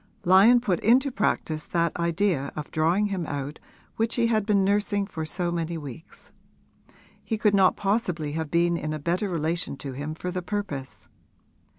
Lyon put into practice that idea of drawing him out which he had been nursing for so many weeks: he could not possibly have been in a better relation to him for the purpose.